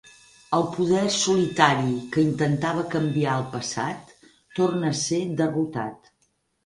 El Poder Solitari, que intentava canviar el passat, torna a ser derrotat.